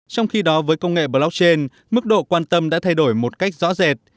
trong khi đó với công nghệ blockchain mức độ quan tâm đã thay đổi một cách rõ rệt